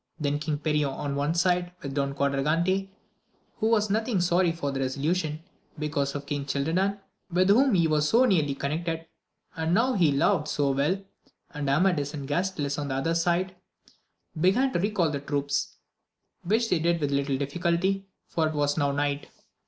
Then King Perion on one side, with Don Quadragante, who was nothing sorry for the resolution, because of King Cildadan, with whom he was so nearly connected, and whom he loved so well ; and Amadis and Gastiles on the other side, began to recall the troops, which they did with little difficulty, for it was now night.